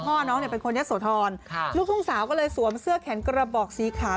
น้องเนี่ยเป็นคนยะโสธรลูกทุ่งสาวก็เลยสวมเสื้อแขนกระบอกสีขาว